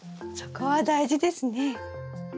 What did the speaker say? そこは大事ですね。